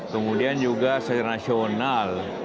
kemudian juga secara nasional